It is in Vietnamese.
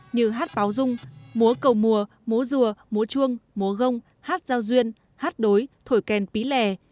như hát báo dung múa cầu mùa múa rùa múa chuông múa gông hát giao duyên hát đối thổi kèn pí lè